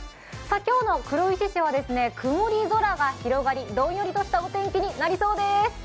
今日の黒石市は曇り空が広がりどんよりとしたお天気になりそうです。